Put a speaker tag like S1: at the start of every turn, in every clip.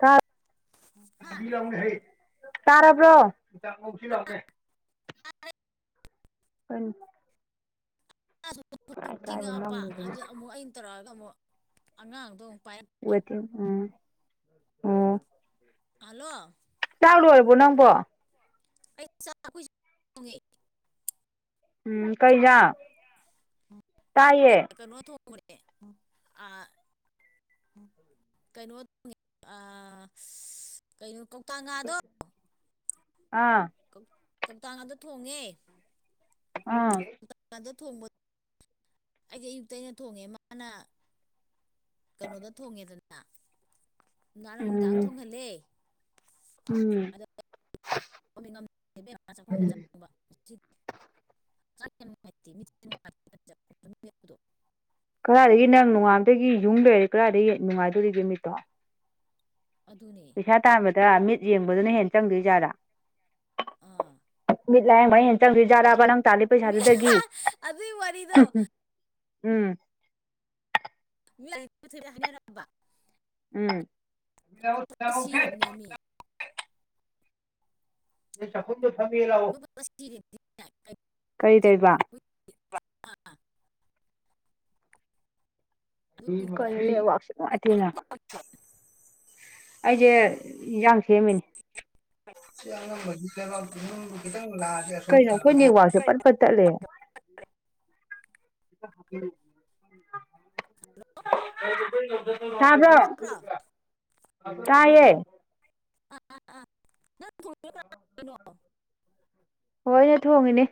S1: ꯇꯥꯛ
S2: ꯍꯥ
S1: ꯇꯥꯔꯕ꯭ꯔꯣ ꯇꯟ
S2: [unintelligible]
S1: ꯀꯥꯏꯗ
S2: ꯉꯛꯄ
S1: ꯅꯝꯈ꯭ꯔꯤꯁꯤꯅ
S2: ꯑꯗꯨ ꯑꯃꯨꯛ ꯑꯩꯟ ꯇꯧꯔꯛꯑꯒ ꯑꯃꯨꯛ ꯑꯉꯥꯡꯗꯣ ꯑꯃꯨꯛ ꯄꯥꯏꯔꯛ
S1: ꯋꯦꯇꯤꯉ ꯎꯝ ꯑꯣ
S2: ꯍꯂꫭ
S1: ꯆꯥꯛ ꯂꯣꯏꯔꯕꯣ ꯅꯪꯕꯣ
S2: ꯑꯩ ꯆꯠ
S1: ꯎꯝ ꯀꯩ
S2: ꯭ꯔ
S1: ꯏꯟꯖꯥꯡ
S2: ꯈꯪꯉꯦ
S1: ꯇꯥꯏꯌꯦ
S2: ꯀꯩꯅꯣ ꯊꯣꯡꯕꯅꯤ ꯑꯥ ꯎ ꯀꯩꯅꯣ ꯇꯉ ꯑ
S1: ꯑꯥ
S2: ꯀꯧ ꯀꯧꯇꯛꯥꯗꫭ ꯊꯣꯡꯉꯦ
S1: ꯑꯥ
S2: ꯀꯧꯇꯉꯥꯇꫭ ꯊꯣꯡꯕ ꯑꯩꯗꯤ ꯑꯌꯨꯛꯇ ꯑꯩꯅ ꯊꯣꯡꯉꯦ ꯃꯥꯅ ꯀꯩꯅꯣꯗ ꯊꯣꯡꯉꯦꯗꯅ ꯅꯍꯅ ꯅꯨꯡꯗꯥꯡꯗ
S1: ꯎꯝ
S2: ꯊꯣꯡꯍꯜꯂꯦ
S1: ꯎꯝ
S2: ꯑꯗꯣ ꯆꯥꯛꯈꯨꯝꯒ ꯆꯡꯕ [unintelligible] [unintelligible]
S1: ꯀꯗꯥꯏꯗꯒꯤ ꯅꯪ ꯅꯣꯡꯉꯥꯟꯕꯗꯩ ꯌꯨꯡ ꯂꯩꯔꯦ ꯀꯗꯥꯏꯗꯒꯤ ꯅꯨꯡꯉꯥꯏꯗꯣꯔꯤꯒꯦ ꯃꯤꯠꯇꯣ
S2: ꯑꯗꯨꯅꯦ
S1: ꯄꯩꯁꯥ ꯇꯥꯟꯕꯗ ꯃꯤꯠ ꯌꯦꯡꯕꯗꯨꯅ ꯍꯦꯟꯅ ꯆꯪꯗꯣꯏꯖꯥꯠꯂ
S2: ꯑꯥ
S1: ꯂꯥꯏꯌꯦꯡꯕ ꯍꯦ ꯆꯪꯗꫭꯏꯖꯥꯠꯂꯕ ꯅꯪ ꯇꯥꯜꯂꯤ
S2: ꯃꯤ
S1: ꯄꯩꯁꯥꯗꯨꯗꯒꯤ
S2: ꯑꯗꯨꯏ ꯋꯥꯔꯤꯗꯣ
S1: ꯎꯝ
S2: [unintelligible]
S1: ꯎꯝ
S2: ꯁꯤꯔꯕꯅꯦ
S1: ꯀꯔꯤ ꯇꯧꯔꯤꯕ
S2: [unintelligible]
S1: ꯀꯔꯤꯅꫭ ꯅꯦꯋꯥꯛꯁꯦ ꯅꫭꯡꯉꯥꯏꯇꯦꯅ ꯑꯩꯁꯦ ꯏꯟꯔꯥꯡ ꯁꯦꯝꯃꯤꯅꯤ ꯀꯩꯅꫭ ꯑꯩꯈꯣꯏ ꯅꯦꯋꯥꯛꯁꯦ ꯄꯠꯄꯠ ꯇꯠꯂꯦ [unintelligible] ꯀꯩꯗꯧꯗꯣꯏ ꯅꯣꯗ ꯇꯕ꯭ꯔꯣ ꯇꯥꯏꯌꯦ
S2: ꯅꯪ ꯊꫭꯡꯉꯤꯔꫭ ꯀꯅ ꯊꫭꯡꯉꯤꯅꫭ
S1: ꯍꯣꯏ ꯑꯩꯅ ꯊꯣꯡꯉꯤꯅꯦ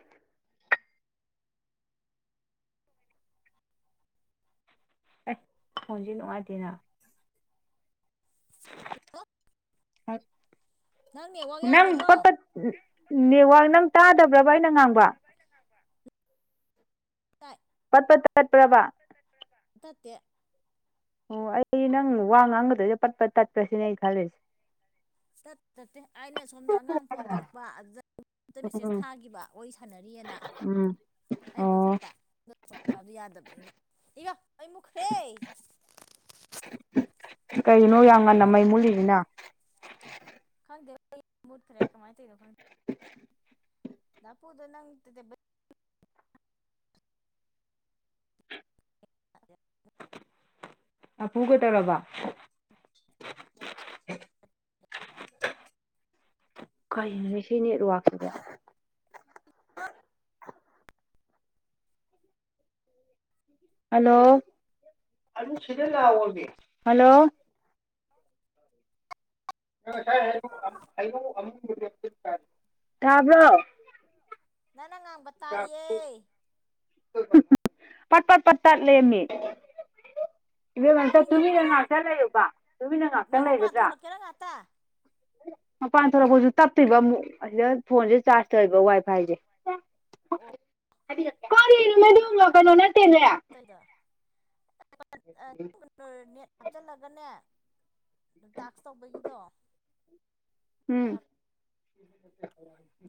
S1: ꯐꯣꯟꯁꯦ ꯅꯨꯡꯉꯥꯏꯇꯦꯅ
S2: ꯅꯪ ꯅꯦꯠꯋꯥꯛ
S1: ꯎꯝ ꯅꯪ ꯄꯠ
S2: ꯌꯥꯗ꯭ꯔꯕꯣ
S1: ꯄꯠ ꯅꯦꯠꯋꯥꯛ ꯅꯪ ꯇꯥꯗꯕ꯭ꯔꯕ ꯑꯩꯅ ꯉꯥꯡꯕ
S2: ꯇꯥꯏ
S1: ꯄꯠꯄ ꯇꯠꯄ꯭ꯔꯕ
S2: ꯇꯠꯇ
S1: ꯑꯣ ꯑꯩ ꯅꯪ ꯋꯥ ꯉꯥꯡꯒꯗꯣꯏꯗꯣ ꯄꯠꯄ ꯇꯠꯄ꯭ꯔꯁꯤꯅꯦ ꯑꯩ ꯈꯜꯂꯤꯁꯦ
S2: ꯇꯠꯦ ꯇꯠꯇꯦ ꯑꯩꯅ ꯁꯣꯝꯗ ꯑꯉꯥꯡ ꯐꯣꯟ ꯇꯧꯔꯛꯄ ꯑꯝꯇ ꯃꯦꯁꯦꯁ
S1: ꯎꯝ
S2: ꯊꯥꯈꯤꯕ ꯋꯥꯔꯤ ꯁꯥꯟꯅꯔꯤꯑꯅ
S1: ꯎꯝ
S2: ꯑꯩꯅ
S1: ꯑꯣ
S2: ꯀꯛꯊꯠꯄ ꯌꯥꯗꯕꯅꯤꯅ ꯏꯒ ꯑꯩ ꯃꯨꯛꯈ꯭ꯔꯦ
S1: ꯀꯩꯅꯣ
S2: ꯃꯩ
S1: ꯌꯥꯝ
S2: ꯃꯨꯠꯈ꯭ꯔꯦ
S1: ꯉꯟꯅ ꯃꯩ ꯃꯨꯜꯂꯤꯅꯤꯅ
S2: ꯀꯪꯗꯦ ꯃꯨꯠ ꯈꯔꯦꯥꯏ ꯇꯣ
S1: [inaudible]
S2: ꯅ ꯄꯨꯗꯣ ꯅꯪ ꯑ
S1: ꯑꯄꯨꯒ ꯇꯧꯔꯕ
S2: ꯀ [unintelligible]
S1: ꯀꯔꯤꯅꯣ ꯁꯤ ꯅꯦꯠꯋꯥꯛꯁꯤꯗ ꯍꯂꯣ ꯍꯂꯣ ꯉꯥꯏꯩꯅꯥꯕ꯭ꯔꯣ
S2: ꯅꯪꯅꯪ ꯉꯥꯡꯕ ꯇꯥꯏꯌꯦ
S1: ꯄꯠ ꯄꯠ ꯄꯠ ꯇꯠ ꯂꯦꯝꯃꯤ ꯏ ꯉꯇ
S2: ꯅꯪꯒꯤ
S1: ꯇꯨꯃꯤꯟꯅ
S2: ꯅꯦꯠꯋꯥꯛ ꯅꯪ
S1: ꯉꯥꯛꯇ ꯂꯩꯨꯕ ꯇꯨꯃꯤꯟꯅ
S2: ꯅꯪ
S1: ꯉꯥꯛꯇꯪ
S2: ꯃꯄꯥꯟ
S1: ꯂꯩꯒꯗ꯭ꯔꯥ
S2: ꯊꯣꯛꯂꯛꯀꯦꯔꯥ ꯉꯥꯛꯇ
S1: ꯍ ꯄꯥꯟꯅ ꯊꯔ ꯣꯖ ꯇꯞꯇꯣꯏꯕ ꯑꯃꯨꯛ ꯁꯤꯗ ꯐꯣꯟꯁꯦ ꯆꯥꯔꯖ ꯇꯧꯕ ꯋꯥꯏ ꯐꯥꯏꯁꯦ ꯀꯔꯤꯅ ꯃ ꯗꯧ ꯀꯩꯅꯣꯅ ꯇꯔꯌꯥ
S2: ꯣ ꯅꯦꯠ ꯍꯥꯞꯆꯤꯜꯂꯒꯅꯦ ꯇꯥꯛꯁ ꯇꯧꯕꯒꯤꯗꯣ
S1: ꯎꯝ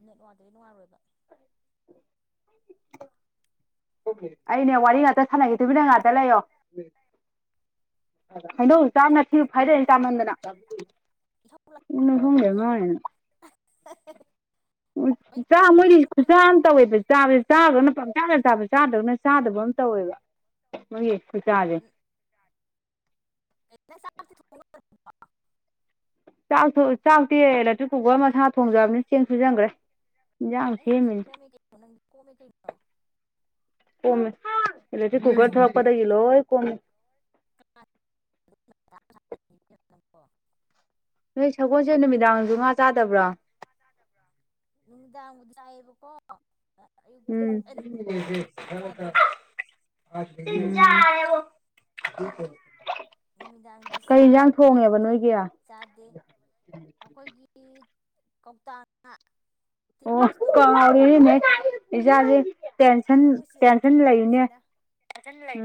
S2: ꯅꯦꯠꯋꯥꯔꯇꯗꯤ ꯉꯥꯏꯔꯣꯏꯕ
S1: ꯑꯩ ꯅꯦꯋꯥꯂꯤ ꯉ ꯁꯥꯟꯅꯈꯤꯗꯗꯨꯕꯤꯅ ꯉꯥꯛꯇ ꯂꯩꯌꯣ ꯍꯥꯏꯥꯏꯗꯣꯛ
S2: ꯏꯁꯧ
S1: ꯆꯥꯝꯅ ꯊꯤꯨ
S2: ꯂꯥꯡꯖꯜꯂꯨ
S1: ꯐꯥꯏꯗꯣꯛꯩꯅ
S2: ꯏꯁꯧ
S1: ꯆꯥꯝꯃꯟꯗꯅꯅꯨꯡ ꯁꯣꯡꯗꯦ
S2: ꯂꯥꯡꯖꯜꯂꯨ
S1: ꯃꯥꯦꯅ
S2: [inaudible] ꯑꯩ
S1: ꯆꯥ ꯃꯣꯏꯗꯤ ꯈꯨꯠꯁꯥ ꯑꯃ ꯇꯧꯋꯦꯕ ꯆꯥꯕꯁꯤꯦ ꯆꯥꯗꯒꯅ ꯄꯪꯆꯥꯥꯒ ꯆꯥꯕ ꯆꯥꯗꯕꯒꯅ ꯆꯥꯗꯕ ꯑꯃ ꯇꯧꯋꯦꯕ ꯅꯣꯏ ꯌꯦꯁꯨ ꯆꯥꯁꯦ
S2: ꯁꯥ
S1: ꯆꯥꯛ ꯆꯥꯛꯇꯤ ꯏꯂꯦꯛꯇ꯭ꯔꯤꯛ ꯀꯨꯀꯔ ꯃꯁꯥ ꯊꯣꯡꯖꯕꯅꯤꯅ ꯆꯦꯡ ꯁꯨꯖꯟꯈ꯭ꯔꯦ ꯌꯥꯎ ꯊꯦ ꯃꯤꯟꯇ
S2: ꯀꯣꯃꯦ ꯀꯩꯣ ꯑꯩ
S1: ꯀꯣꯃꯦꯂꯗꯤ ꯨꯒꯔ
S2: ꯁꯪꯒꯣꯏ
S1: ꯊꯄꯗ ꯏꯂꯣꯣꯏ ꯀꯣꯃꯦ ꯅꯣꯏ ꯁꯒꯣꯜꯁꯦ ꯅꯨꯃꯤꯗꯥꯡꯁꯨ ꯉꯥ ꯆꯥꯗꯕ꯭ꯔꯣ
S2: ꯅꯨꯡꯗꯥꯗꯥꯑꯕ ꯀꯣ ꯑꯌꯨꯛꯇꯤ
S1: ꯎꯝ
S2: ꯑ ꯆꯥꯗꯦ
S1: [inaudible]
S2: ꯅꯨꯃꯤꯗꯥꯡꯗꯤ
S1: ꯀꯩ
S2: ꯆꯥꯏ
S1: ꯌꯦꯟꯖꯥꯡ ꯊꯣꯡꯉꯦꯕ
S2: ꯑꯌꯨꯛꯇꯀꯤ
S1: ꯅꯣꯏꯒꯤ ꯑꯣ
S2: ꯆꯥꯗꯦ ꯑꯩꯈꯣꯏꯒꯤ ꯀꯧꯇꯥꯅ
S1: ꯑꯣ ꯀꯅꯦ ꯏꯆꯥꯥꯁꯦ ꯇꯦꯟꯁꯟ ꯇꯦꯟꯁꯟ ꯂꯩꯅꯦ
S2: ꯑꯁꯟ ꯂꯥꯏ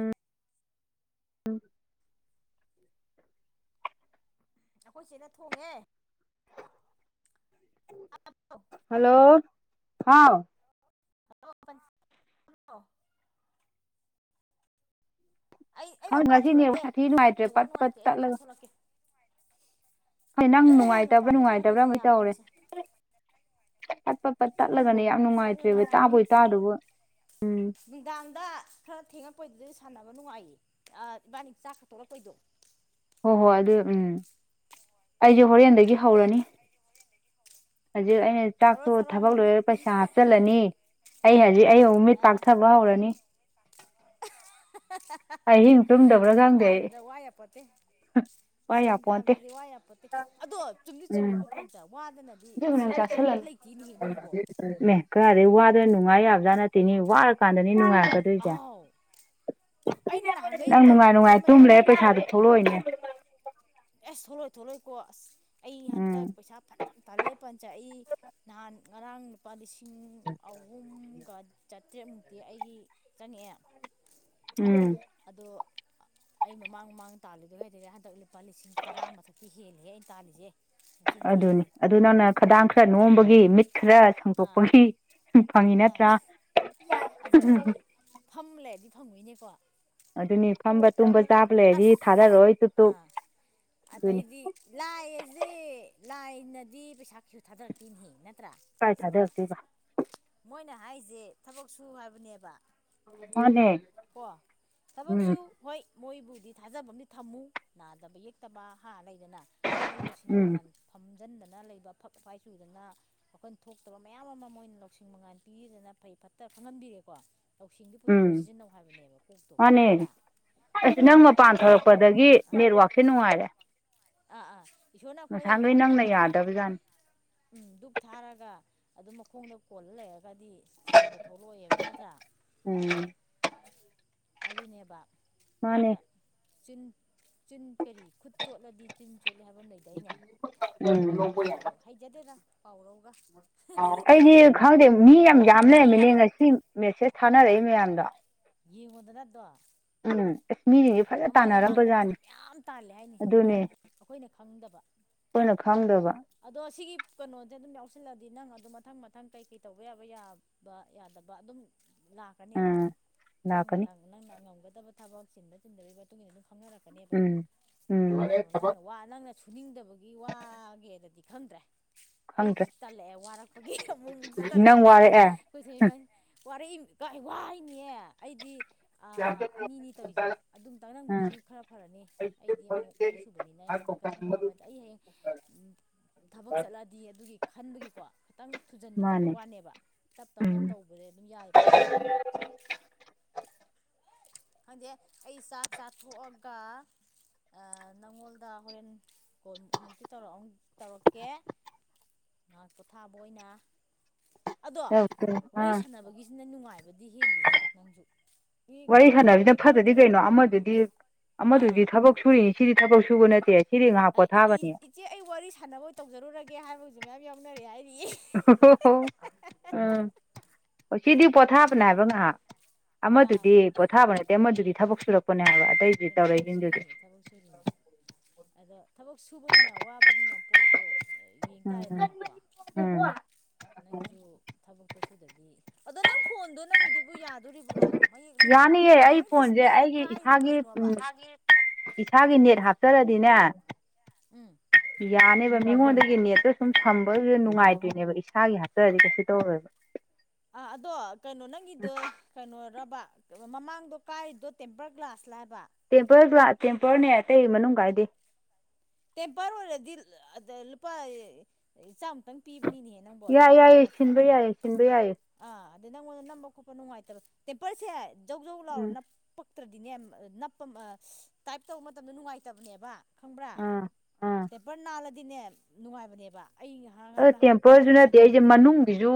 S2: ꯑꯩꯈꯣꯏꯁꯦꯅ ꯊꯣꯡꯉꯦ ꯑꯣ
S1: ꯍꯜꯂꯣ ꯍꯥꯎ
S2: ꯍꯜꯂꯣ ꯑꯩ ꯑꯩ
S1: ꯈꯪ
S2: ꯃꯄꯥꯟ
S1: ꯉꯁꯤꯅꯦ
S2: ꯊꯣꯛꯂꯛꯀꯦ
S1: ꯁꯥꯊꯤ ꯅꯨꯡꯉꯥꯏꯇ꯭ꯔꯦ
S2: ꯅꯦꯠꯋꯥꯛ
S1: ꯄꯠ ꯄꯠ
S2: ꯅꯨꯡꯉꯥꯏꯇꯦ ꯑꯩ ꯑꯃꯝꯇ
S1: ꯇꯠꯂꯒ
S2: ꯊꯣꯛꯂꯛꯀꯦ
S1: ꯍꯣꯏ ꯅꯪ ꯅꯨꯡꯉꯥꯏꯇꯕ꯭ꯔꯥ
S2: ꯃꯄꯥꯟꯗ
S1: ꯅꯨꯡꯉꯥꯏꯇꯕ꯭ꯔꯥ
S2: ꯊꯣꯛꯂꯛꯀꯦꯁꯦ
S1: ꯑꯃ
S2: ꯌꯥꯕ꯭ꯔꯥ
S1: ꯇꯧꯔꯦ
S2: ꯌꯦꯡꯒꯦꯁꯦ
S1: ꯐꯠ ꯄꯠ ꯄꯠ ꯇꯠꯂꯒꯅꯦ ꯌꯥꯝ
S2: ꯉꯥꯏꯈꯣ ꯑꯩ
S1: ꯅꯨꯡꯉꯥꯏꯇ꯭ꯔꯦꯕ
S2: ꯃꯄꯥꯟ ꯊꯣꯛꯂꯛꯀꯦ
S1: ꯇꯥꯕꯣꯏ ꯇꯥꯗꯕꯣꯏ
S2: ꯅꯨꯡꯗꯥꯡꯗ ꯈꯔ ꯊꯦꯡꯉꯛꯄꯩꯗꯨꯗꯤ ꯁꯥꯟꯅꯕ ꯅꯨꯡꯉꯥꯏꯌꯦ ꯏꯕꯥꯅꯤ ꯆꯥꯛꯀꯥ ꯇꯣꯛꯂꯛꯄꯩꯗꯣ
S1: ꯍꯣꯏ ꯍꯣꯏ ꯑꯗꯨ ꯎꯝ ꯑꯩꯁꯦ ꯍꯣꯔꯦꯟꯗꯒꯤ ꯍꯧꯔꯅꯤ ꯍꯧꯖꯤꯛ ꯑꯩꯅ ꯆꯥꯛ
S2: ꯇꯧꯔꯣ
S1: ꯇꯣꯛꯑ
S2: ꯇꯧꯔꯣ
S1: ꯊꯕꯛ
S2: ꯅꯨꯃꯤꯠ
S1: ꯂꯣꯏꯔ ꯄꯩꯁꯥ ꯍꯥꯞ ꯆꯜꯂꯅꯤ ꯑꯩ ꯍꯧꯖꯤꯛ ꯑꯩ ꯑꯃꯨꯛ ꯃꯤꯠ
S2: ꯑꯥ
S1: ꯄꯥꯛꯊꯕ ꯍꯧꯔꯅꯤ ꯑꯍꯤꯡ ꯇꯨꯝꯗꯕ꯭ꯔꯥ
S2: ꯄꯩꯁꯥ
S1: ꯈꯪꯗꯦ ꯑꯩ
S2: ꯇꯥꯟꯕꯗ ꯋꯥ ꯌꯥꯄꯣꯠꯇꯦ
S1: ꯋꯥ
S2: ꯁꯦꯟ
S1: ꯌꯥꯄꯣꯟꯇꯦ
S2: ꯇꯥꯟꯕꯗꯤ ꯋꯥ ꯌꯥꯝꯄꯠꯇꯦ ꯑꯗꯣ ꯆꯨꯝꯃꯤ
S1: ꯎꯝ
S2: ꯆꯨꯝꯃꯤꯀꯣ ꯄꯟꯇ ꯋꯥꯗꯅ [unintelligible] ꯁꯦꯟ ꯐꯪꯕ ꯑꯝꯇ ꯂꯩꯇꯦꯅꯦ ꯅꯪꯕꯣ
S1: ꯏꯃꯥꯏ ꯀꯗꯥꯒꯤ ꯋꯥꯗꯅ ꯅꯨꯡꯉꯥꯏ ꯌꯥꯖ ꯅꯠꯇꯦꯅꯦ ꯋꯥꯔꯀꯥꯟꯗꯅꯤ ꯅꯨꯡꯉꯥꯏ
S2: ꯑꯥꯎ ꯑꯩꯅ
S1: [unintelligible]
S2: ꯅꯍꯥꯟꯈꯩ
S1: ꯅꯪ ꯅꯨꯡꯉꯥꯏ
S2: ꯇꯧꯔꯨꯔꯤꯕ
S1: ꯅꯨꯡꯉꯥꯏ ꯇꯨꯝ ꯂꯩꯔꯒ
S2: ꯃꯌꯥꯝꯗꯣ
S1: ꯄꯩꯁꯥꯗꯤ ꯊꯣꯛꯂꯛꯑꯣꯏꯅꯦ
S2: ꯑꯁ ꯊꯣꯛꯂꯛꯑꯣꯏ ꯊꯣꯛꯂꯛꯑꯣꯏꯀꯣ ꯑꯁ ꯑꯩ ꯍꯟꯇꯛ
S1: ꯎꯝ
S2: ꯄꯩꯁꯥ ꯐꯅꯥꯝ ꯇꯥꯜꯂꯦ ꯄꯟꯆ ꯑꯩ ꯅꯍꯥꯟ ꯉꯔꯥꯡ ꯂꯨꯄ ꯂꯤꯁꯤꯡ ꯂꯤꯁꯤꯡ ꯑꯍꯨꯝꯒ ꯆꯥꯇ꯭ꯔꯦꯠꯃꯨꯛꯇꯤ ꯑꯩꯒꯤ ꯆꯪꯉꯛꯑꯦ
S1: ꯎꯝ
S2: ꯑꯗꯣ ꯑꯩ ꯃꯃꯥꯡ ꯃꯃꯥꯡ ꯇꯥꯜꯂꯤꯗꯨꯒ ꯍꯥꯏꯔꯗ ꯍꯟꯗꯛ ꯂꯨꯄꯥ ꯂꯤꯁꯤꯡ ꯇꯔꯥ ꯃꯊꯛꯇꯤ ꯍꯦꯜꯂꯤꯍꯦ ꯑꯩꯅ ꯇꯥꯜꯂꯤꯁꯦ ꯃꯆꯤꯟ ꯊꯤ
S1: ꯑꯗꯨꯅꯤ
S2: ꯍꯥꯏꯅꯤ
S1: ꯑꯗꯨ ꯅꯪꯅ ꯈꯗꯥꯡ ꯈꯔ ꯅꯣꯝꯕꯒꯤ ꯃꯤꯠ ꯈꯔ
S2: ꯑꯥ
S1: ꯁꯪꯗꯣꯛꯄꯒꯤ ꯐꯪꯉꯤ ꯅꯠꯇ꯭ꯔꯥ
S2: ꯐꯝꯂꯩꯔꯗꯤ ꯐꯪꯡꯉꯣꯏꯅꯦꯀꯣ
S1: ꯑꯗꯨꯅꯤ ꯐꯝꯕ ꯇꯨꯝꯕ ꯆꯥꯕ ꯂꯩꯔꯗꯤ
S2: ꯑꯁ
S1: ꯊꯥꯗꯔꯛꯑꯣꯏ ꯇꯨꯞ ꯇꯨꯞ ꯑꯗꯨꯅꯤ
S2: ꯂꯥꯏꯑꯖꯦ ꯂꯥꯏꯅꯗꯤ ꯄꯩꯁꯥ ꯀꯩꯁꯨ ꯊꯥꯗꯔꯛꯇꯦꯇꯅꯦ ꯅꯠꯇ꯭ꯔꯥ
S1: ꯀꯥꯏ ꯊꯗꯔꯛꯇꯨꯏꯕ
S2: ꯃꯣꯏꯅ ꯍꯥꯏꯔꯤꯖꯦ ꯊꯕꯛ ꯁꯨ ꯍꯥꯏꯕꯅꯦꯕ
S1: ꯃꯥꯅꯦ
S2: ꯀꯣ ꯊꯕꯛꯁꯨ
S1: ꯎꯝ
S2: ꯍꯣꯏ ꯃꯣꯏꯕꯨꯗꯤ ꯊꯥꯖꯕ ꯑꯃꯗꯤ ꯊꯝꯃꯨ ꯅꯥꯗꯕ ꯌꯦꯛꯇꯕ ꯍꯥ ꯂꯩꯗꯅ ꯋꯥꯈꯜ ꯂꯧꯁꯤꯡ
S1: ꯎꯝ
S2: ꯃꯉꯥꯜ ꯐꯝꯖꯤꯟꯗꯅ ꯂꯩꯕ ꯑꯐꯛ ꯑꯐꯥꯏ ꯆꯨꯗꯅ ꯋꯈꯟ ꯊꯣꯛꯇꯕ ꯃꯌꯥꯝ ꯑꯃ ꯃꯣꯏꯅ ꯂꯧꯁꯤꯡ ꯃꯉꯥꯟ ꯄꯤꯗꯅ ꯐꯩ ꯐꯠꯇ ꯈꯪꯍꯟꯕꯤꯔꯦꯀꯣ ꯂꯧꯎꯁꯤꯡꯗꯨ
S1: ꯎꯝ
S2: ꯄꯨꯊꯣꯑ ꯁꯤꯖꯤꯟꯅꯧ ꯍꯥꯏꯕꯅꯦꯕ ꯀꯣꯛꯇꯣ
S1: ꯃꯥꯅꯦ
S2: ꯅꯠꯇ꯭ꯔꯥ
S1: [unintelligible] ꯅꯪ
S2: ꯏꯁꯣꯔꯅ
S1: ꯃꯄꯥꯟ
S2: ꯑꯩꯈꯣꯏꯗ
S1: ꯊꯧꯔꯛꯄꯗꯒꯤ
S2: ꯑꯥ
S1: ꯅꯦꯠꯋꯥꯛꯁꯦ ꯅꯨꯡꯉꯥꯏꯔꯦ
S2: ꯑꯥ ꯑꯥ ꯏꯁꯣꯔꯅ ꯑꯩꯈꯣꯏꯗ
S1: ꯉꯁꯥꯡꯈꯩ
S2: ꯅꯣꯡꯉꯥꯟ
S1: ꯅꯪꯅ
S2: ꯅꯨꯃꯤꯠꯇꯕꯧ ꯙꯨꯛ
S1: ꯌꯥꯗꯕꯖꯥꯠꯅꯤ
S2: ꯎꯝ ꯙꯛ ꯊꯥꯔꯒ ꯑꯗꯨꯝ ꯃꯈꯣꯡꯗ ꯀꯣꯜꯂ ꯂꯩꯔꯒꯗꯤ ꯁꯦꯟꯗꯣ ꯊꯣꯛꯂꯛꯑꯦꯕ ꯅꯠꯇ꯭ꯔꯥ
S1: ꯎꯝ
S2: ꯑꯗꯨꯅꯦꯕ ꯑꯗꯨꯅ
S1: ꯃꯥꯅꯦ
S2: ꯆꯤꯟ ꯆꯤꯟ ꯀꯔꯤ ꯈꯨꯠ ꯆꯣꯠꯂꯗꯤ ꯆꯤꯟ ꯆꯣꯠꯂꯤ ꯍꯥꯏꯕ ꯑꯃ ꯂꯩꯗꯥꯏꯅꯦ ꯏꯥꯄ
S1: ꯎꯝ
S2: ꯏꯄꯨꯒꯤ ꯄꯥꯎꯔꯧ ꯍꯩꯖꯗꯦꯗ ꯄꯥꯎꯔꯧꯒ
S1: ꯑꯩꯗꯤ ꯈꯪꯗꯦ ꯃꯤ ꯌꯥꯝ ꯌꯥꯝ ꯂꯩꯔꯝꯃꯤꯅꯦ ꯉꯁꯤ ꯃꯦꯁꯦꯁ ꯊꯥꯅꯔꯛꯏ ꯃꯌꯥꯝꯗꯣ
S2: ꯌꯦꯡꯉꯣꯗꯅ ꯑꯗꯣ
S1: ꯎꯝ ꯑꯁ ꯃꯤꯖꯤꯡ ꯁꯦ
S2: ꯃꯃꯥꯡ ꯃꯃꯥꯡꯗ ꯄꯩꯁꯥ ꯃꯌꯥꯝ ꯇꯥꯜꯂꯦ ꯍꯥꯏꯅꯤ ꯑꯩꯈꯣꯏꯅ ꯈꯪꯗꯕ
S1: ꯑꯣꯏꯅ ꯈꯪꯗꯕ
S2: ꯑꯗꯣ ꯑꯁꯤꯒꯤ ꯀꯩꯅꯣꯁꯦ ꯑꯗꯨꯝ ꯌꯥꯎꯁꯜꯂꯗꯤ ꯅꯪ ꯑꯗꯨꯣ ꯃꯊꯪ ꯃꯊꯪ ꯀꯩꯀꯩ ꯇꯧꯕ ꯌꯥꯕ ꯌꯥꯕ ꯕ ꯌꯥꯗꯕ ꯑꯗꯨꯝ ꯂꯥꯛ ꯀꯅꯦꯕ
S1: ꯎꯝ
S2: ꯃꯊꯪ
S1: ꯂꯥꯛꯀꯅꯤ
S2: ꯃꯊꯪ ꯅꯪꯅ ꯉꯝꯒꯗꯕ ꯊꯕꯛ ꯆꯤꯟꯕ ꯆꯤꯟꯗꯒꯤ ꯃꯇꯨꯡ ꯏꯟꯅ ꯑꯗꯨꯝ ꯈꯪꯅꯔꯛ ꯅꯦꯕ
S1: ꯎꯝ ꯎꯝ
S2: ꯑꯋꯥꯔꯨꯔꯅꯨ ꯅꯪꯅ ꯋ ꯅꯪꯅ ꯁꯨꯅꯤꯡꯗꯕꯒꯤ ꯋꯥꯒꯦꯑꯗꯗꯤ ꯈꯟꯗ꯭ꯔꯦ
S1: ꯈꯪꯗ꯭ꯔꯦ
S2: ꯑꯩꯁꯨ ꯇꯜꯂꯛꯑꯦ ꯋꯥꯔꯛꯄꯒꯤ ꯑꯃꯨꯛꯃꯨꯛꯁꯨ
S1: ꯅꯪ
S2: ꯇꯜꯂꯛꯏꯕ ꯑꯁ
S1: ꯋꯥꯔꯛꯑꯦ
S2: ꯑꯩꯈꯣꯏꯁꯦ ꯏꯕꯅꯤ ꯋꯥꯔꯛꯏꯃꯤ ꯋꯥꯏꯅꯤꯅꯦ ꯑꯩꯗꯤ ꯑꯅꯤꯅꯤ ꯇꯧꯔꯤꯁꯦ ꯑꯗꯨꯝ
S1: ꯎꯝ
S2: ꯇꯥꯔꯡꯒꯤꯗꯨꯗꯤ ꯈꯔ ꯐꯔꯅꯤ ꯑꯩꯗꯤ ꯑꯃꯨꯛ ꯑꯅꯤꯁꯨꯨꯕꯅꯤꯅ ꯑꯩꯉꯣꯟ ꯑꯗꯨ ꯈꯤꯇꯪ ꯋꯥꯕ ꯍꯥꯏ ꯇꯔꯦꯅꯦ ꯑꯩ ꯍꯌꯦꯡ ꯊꯕꯛ ꯆꯠꯂꯗꯤ ꯑꯗꯨꯒꯤ ꯈꯟꯕꯒꯤꯀꯣ ꯈꯤꯇꯪ ꯊꯨꯖꯟꯅ ꯇꯧꯕꯩ
S1: ꯃꯥꯅꯦ
S2: ꯋꯥꯅꯦꯕ ꯇꯞ ꯇꯞꯅ
S1: ꯎꯝ
S2: ꯇꯧꯕꯁꯦ ꯑꯗꯨꯝ ꯌꯥꯏ ꯄꯣꯠꯅꯦꯕ ꯈꯪꯗꯦ ꯑꯩ ꯆꯥꯛ ꯆꯥꯊꯣꯛꯑꯒ ꯅꯪꯉꯣꯟꯗ ꯍꯣꯔꯦꯟ ꯀꯣꯜ ꯑꯃꯨꯛꯇꯤ ꯇꯧꯔꯛꯑꯝ ꯇꯧꯔꯛꯑꯝꯒꯦ ꯉꯥꯏꯍꯥꯛ ꯄꯣꯊꯥꯕ ꯑꯣꯏꯅ ꯑꯗꯣ ꯋꯥꯔꯤ
S1: ꯑꯥ
S2: ꯁꯥꯟꯅꯕꯒꯤꯁꯤꯅ ꯅꯨꯡꯉꯥꯏꯕꯗꯤ ꯍꯦꯜꯂꯤꯍꯦ ꯅꯪꯁꯨ ꯃꯤ
S1: ꯋꯥꯔꯤ ꯁꯥꯟꯅꯁꯤꯅ
S2: ꯈꯣꯏꯊꯣꯏꯗ ꯐꯣꯟ
S1: ꯐꯠꯇꯗꯤ ꯀꯩꯅꯣ
S2: ꯇꯧꯔꯛꯑꯝꯃꯒ
S1: ꯑꯃꯗꯨꯗꯤ
S2: ꯑꯥ
S1: ꯑꯃꯗꯨꯗꯤ ꯊꯕꯛ ꯁꯨꯔꯤꯅꯤ ꯁꯤꯗꯤ ꯊꯕꯥꯛ ꯁꯨꯕ ꯅꯠꯇꯦ ꯁꯤꯗꯤ ꯉꯥꯏꯍꯥꯛ ꯄꯣꯊꯥꯕꯅꯤ
S2: ꯏꯆꯦ ꯑꯩ ꯋꯥꯔꯤ ꯁꯥꯟꯅꯕ ꯇꯧꯖꯔꯨꯔꯒꯦ ꯍꯥꯏꯕꯁꯨ ꯃꯌꯥꯝ ꯌꯥꯎꯅꯔꯦ ꯍꯥꯏꯔꯤꯌꯦ
S1: [unintelligible] ꯎꯝ ꯑꯣ ꯁꯤꯗꯤ ꯄꯣꯊꯥꯕꯅꯦꯕ ꯉꯩꯏꯍꯥꯛ
S2: ꯑꯥ
S1: ꯑꯃꯗꯨꯗꯤ ꯄꯣꯊꯥꯕ ꯅꯠꯇꯦ ꯑꯃꯗꯨꯗꯤ ꯊꯕꯛ ꯁꯨꯔꯛꯄꯅꯦ ꯍꯥꯏꯕ ꯑꯇꯩꯗꯤ ꯇꯧꯔꯛꯏꯁꯤꯡꯗꯨꯗꯤ
S2: ꯊꯥꯕꯛ ꯁꯔꯤꯝ ꯑꯗꯣ ꯊꯕꯛ ꯁꯨꯕꯅꯤꯅ ꯋꯥꯕꯅꯤꯅ ꯄꯣꯠꯇꯣ ꯌꯦꯡ
S1: ꯎꯝ
S2: ꯇꯥꯔꯦꯗꯅꯀꯣ
S1: ꯎꯝ
S2: ꯅꯪꯁꯨ ꯊꯕꯛꯇꯨ ꯁꯨꯗꯗꯤ ꯑꯗꯣ ꯅꯪ ꯐꯣꯟꯗꯣ ꯅꯪꯒꯤꯗꯨꯕꯨ ꯌꯥꯗꯣꯔꯤꯕ꯭ꯔꯣ ꯃꯌꯦꯛ ꯅꯨꯡꯉꯥꯏꯕ꯭ꯔꯣ
S1: ꯌꯥꯅꯤꯌꯦ ꯑꯩ
S2: ꯅꯪ
S1: ꯐꯣꯟꯁꯦ
S2: ꯗꯤꯁꯄ꯭ꯂꯦꯔꯣ
S1: ꯑꯩꯒꯤ
S2: ꯀꯥꯏꯗꯣ
S1: ꯏꯁꯥꯒꯤ
S2: ꯀꯩꯅꯣꯕ
S1: ꯎꯝ ꯏꯁꯥꯒꯤ ꯅꯦꯠ ꯍꯥꯞꯆꯔꯗꯤꯅꯦ
S2: ꯎꯝ
S1: ꯌꯥꯅꯦꯕ ꯃꯤꯉꯣꯟꯗꯒꯤ ꯅꯦꯠꯇ ꯁꯨꯝ ꯊꯝꯕꯁꯨ ꯅꯨꯡꯉꯥꯏꯇ꯭ꯣꯏꯅꯦꯕ ꯏꯁꯥꯒꯤ ꯍꯥꯞꯆꯔꯗꯤ ꯀꯩꯁꯨ ꯇꯧꯔꯣꯏꯕ
S2: ꯑ ꯑꯗꯣ ꯀꯩꯅꯣ ꯅꯪꯗꯨ ꯀꯩꯅꯣꯔꯕ ꯃꯃꯥꯡꯗꯣ ꯀꯥꯏꯔꯤꯗꯣ ꯇꯦꯝꯄꯔ ꯒ꯭ꯂꯥꯁ ꯂꯥꯏꯕ
S1: ꯇꯦꯝꯄꯔ ꯇꯦꯝꯄꯔꯅꯦ ꯑꯇꯩ ꯃꯅꯨꯡ ꯀꯥꯏꯗꯦ
S2: ꯇꯦꯝꯄꯔ ꯑꯣꯏꯔꯗꯤ ꯑ ꯂꯨꯄꯥ ꯆꯥꯝꯃꯨꯛꯇꯪ ꯄꯤꯕꯅꯤꯅꯦ ꯍꯦ ꯅꯪꯕꯨ
S1: ꯌꯥꯏ
S2: ꯇꯦꯝꯄꯔ ꯑꯃꯥ
S1: ꯌꯥꯏꯌꯦ ꯁꯤꯟꯕ
S2: ꯅꯥꯞꯁꯤꯟꯂꯨꯅꯦꯍꯦ
S1: ꯌꯥꯏꯌꯦ ꯁꯤꯟꯕ ꯌꯥꯏꯌꯦ
S2: ꯑꯥ ꯑꯗ ꯅꯪꯉꯣꯟꯗ ꯅꯝꯕ ꯈꯣꯠꯄ ꯅꯨꯡꯉꯥꯏꯇꯕ ꯇꯦꯝꯄꯔꯁꯦ ꯖꯧ ꯖꯧ ꯂꯥꯎꯔ
S1: ꯎꯝ
S2: ꯅꯞꯄꯛ ꯅꯛꯇ꯭ꯔꯗꯤꯅꯦ ꯅꯞꯄ ꯇꯥꯏꯞ ꯇꯧꯕ ꯃꯇꯝꯗ ꯅꯨꯡꯉꯥꯏꯇꯕꯅꯦꯕ ꯈꯪꯕ꯭ꯔꯥ
S1: ꯑꯥ ꯑꯥ
S2: ꯇꯦꯝꯄꯔ ꯅꯥꯜꯂꯗꯤꯅꯦ ꯅꯨꯡꯉꯥꯏꯕꯅꯦꯕ ꯑꯩ ꯉꯔꯥꯡ ꯅꯍꯥꯟ ꯀꯥꯏꯗꯅ
S1: ꯁꯏ ꯃꯅꯨꯡꯒꯤꯁꯨ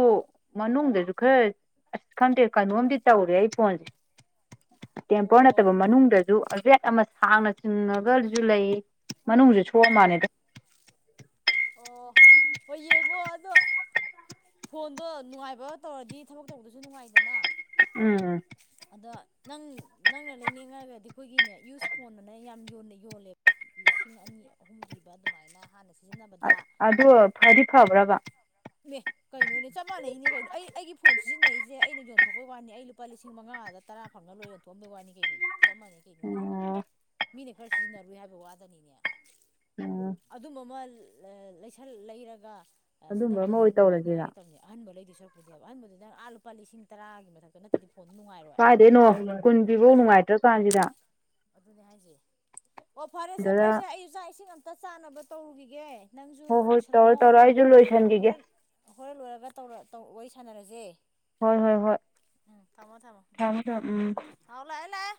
S1: ꯃꯅꯨꯡꯗꯁꯨ ꯈꯔ ꯑꯁ ꯈꯪꯗꯦ ꯀꯩꯅꯣꯝꯗꯤ ꯇꯧꯔꯦ ꯑꯩ ꯐꯣꯟꯁꯦ ꯇꯦꯝꯄꯔ
S2: ꯑꯣ
S1: ꯅꯠꯇꯕ ꯃꯅꯨꯡꯗꯁꯨ ꯔꯦꯠ ꯑꯃ ꯁꯥꯡꯅ ꯆꯤꯡꯉꯒꯁꯨ ꯂꯩ ꯃꯅꯨꯡꯁꯨ ꯁꯣꯛꯑ
S2: ꯑꯥ
S1: ꯃꯥꯜꯂꯤꯗ
S2: ꯑꯣ ꯍꯣꯏ ꯌꯦꯡꯉꯣ ꯑꯗꯣ ꯐꯣꯟꯗꯣ ꯅꯨꯡꯉꯥꯏꯕ ꯇꯧꯔꯗꯤ ꯊꯕꯛ ꯇꯧꯕꯗꯁꯨ ꯅꯨꯡꯉꯥꯏꯗꯅ
S1: ꯎꯝ
S2: ꯑꯗꯨ ꯅꯪ ꯅꯪꯅ ꯂꯩꯅꯤꯡ ꯉꯥꯒꯗꯤ ꯑꯩꯈꯣꯏꯒꯤꯅꯦ ꯌꯨꯁ ꯐꯣꯟꯅꯅ ꯌꯥꯝ ꯌꯣꯟꯅꯩ ꯌꯣꯜꯂꯦ ꯂꯤꯁꯤꯡ ꯑꯅꯤ ꯑꯍꯨꯝ ꯄꯤꯕ ꯑꯗꯨꯃꯥꯏꯅ ꯍꯥꯟꯅ ꯁꯤꯖꯤꯟꯅꯕꯗ
S1: ꯑꯗꯨ ꯐꯗꯤ ꯐꯕ꯭ꯔꯕ
S2: ꯑꯦ ꯀꯩꯅꯣꯅꯦ ꯆꯞ ꯃꯥꯟꯅꯩꯅꯦ ꯀꯩꯅꯣ ꯑꯩꯒꯤ ꯐꯣꯟ ꯁꯤꯖꯤꯟꯅꯩꯁꯦ ꯑꯩꯅ ꯌꯣꯟꯊꯣꯛꯄꯩ ꯋꯥꯅꯤ ꯑꯩ ꯂꯨꯄꯥ ꯂꯤꯁꯤꯡ ꯃꯉꯥꯗ ꯇꯔꯥ ꯐꯪꯉ ꯂꯣꯏ ꯑꯣꯟꯊꯣꯛꯑꯝꯗꯣꯏ ꯋꯥꯅꯤ ꯀꯩꯅꯣ ꯆꯞ ꯃꯥꯟꯅꯩ ꯀꯩꯅꯣꯅꯦ
S1: ꯑꯣ
S2: ꯃꯤꯅ ꯈꯔ ꯁꯤꯖꯤꯟꯅꯔꯨꯏ ꯍꯥꯏꯕ ꯋꯥꯗꯅꯤꯅꯦ
S1: ꯎꯝ
S2: ꯑꯗꯨꯝꯕ ꯑꯃ ꯂꯩꯁ ꯂꯩꯔꯒ
S1: ꯑꯗꯨꯝꯕ ꯑꯃ
S2: ꯁꯤꯖꯤꯟꯅꯕꯗꯅ ꯍꯦꯟꯅ
S1: ꯑꯣꯏ
S2: ꯅꯨꯡꯉꯥꯏꯅꯤ
S1: ꯇꯧꯔꯁꯤꯔ
S2: ꯍꯥꯏꯒꯦ ꯇꯧꯅꯤ ꯑꯍꯟꯕ ꯂꯩꯗꯤ ꯁꯔꯨꯛꯄꯗꯤꯕ ꯑꯟꯕꯗꯨ ꯅꯪ ꯑꯥ ꯂꯨꯄꯥ ꯂꯤꯁꯤꯡ ꯇꯔꯥꯒꯤ ꯃꯊꯛꯇ ꯅ ꯐꯣꯟꯁꯨ ꯅꯨꯡꯉꯥꯏꯔꯣꯢ
S1: ꯀꯥꯏꯗꯩꯅꯣ ꯀꯨꯟ ꯄꯤꯕꯧ ꯅꯨꯡꯉꯥꯏꯇ꯭ꯔ ꯀꯥꯟꯁꯤꯗ
S2: ꯑꯗꯨꯅꯦ ꯍꯥꯏꯁꯦ ꯑꯣ ꯐꯔꯦꯁꯦ
S1: ꯑꯗꯨꯗ
S2: ꯐꯔꯦꯁꯦ ꯑꯩ ꯆꯥꯛ ꯏꯁꯤꯡ ꯑꯝꯇ ꯆꯥꯅꯕ ꯇꯧꯔꯨꯈꯤꯒꯦ ꯅꯪꯁꯨ
S1: ꯍꯣꯏ ꯍꯣꯏ ꯇꯧꯔꯣ
S2: ꯂꯣꯏꯁꯤꯜꯂꯝꯃꯣ
S1: ꯇꯧꯔꯣ ꯑꯩꯁꯨ ꯂꯣꯏꯁꯤꯟꯈꯤꯒꯦ
S2: ꯍꯣꯔꯦꯟ ꯍꯣꯔꯦꯟ ꯂꯣꯏꯔꯒ ꯇꯧꯔ ꯋꯥꯔꯤ ꯁꯥꯟꯅꯔꯁꯦ
S1: ꯍꯣꯏ ꯍꯣꯏ ꯍꯣꯏ
S2: ꯎꯝ ꯊꯝꯃꯣ ꯎꯝ
S1: ꯊꯝꯃꯦ ꯊꯝ ꯎꯝ
S2: ꯍꯥꯎ ꯂꯥꯛ ꯑꯦ ꯂꯥꯛꯑꯦ